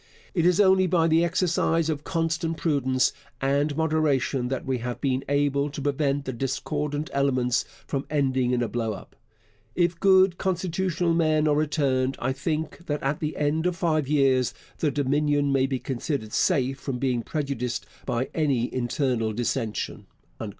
It is only by the exercise of constant prudence and moderation that we have been able to prevent the discordant elements from ending in a blow up. If good Constitutional men are returned, I think that at the end of five years the Dominion may be considered safe from being prejudiced by any internal dissension.